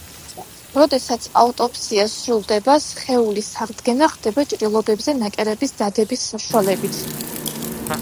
როდესაც აუტოპსია სრულდება სხეულის აღდგენა ხდება ჭრილობებზე ნაკერების დადების საშუალებით.